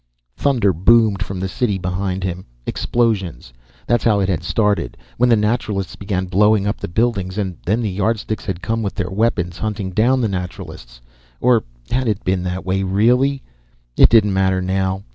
Thunder boomed from the city behind him. Explosions. That's how it had started, when the Naturalists began blowing up the buildings. And then the Yardsticks had come with their weapons, hunting down the Naturalists. Or had it been that way, really? It didn't matter, now.